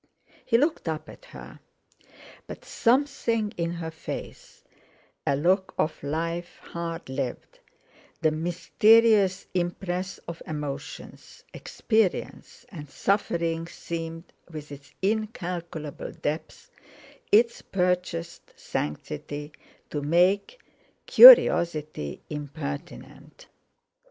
He looked up at her. But something in her face—a look of life hard lived, the mysterious impress of emotions, experience, and suffering seemed, with its incalculable depth, its purchased sanctity, to make curiosity impertinent.